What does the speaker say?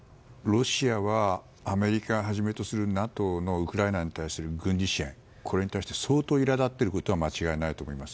ロシアはアメリカをはじめとするＮＡＴＯのウクライナに対する軍事支援に対して相当苛立っていることは間違いないと思います。